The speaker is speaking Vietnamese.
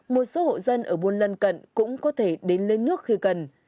một số hộ dân ở buôn lân cận cũng có thể đến lấy nước khi cần